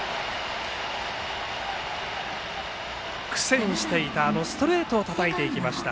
苦戦していたストレートをたたいていきました。